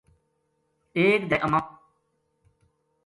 ایک دھیاڑے اماں